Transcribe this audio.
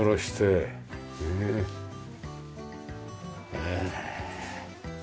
へえ。